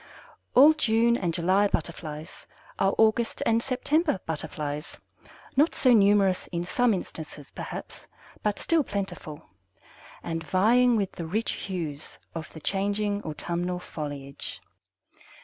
All June and July Butterflies are August and September Butterflies, not so numerous in some instances, perhaps, but still plentiful, and vying with the rich hues of the changing autumnal foliage.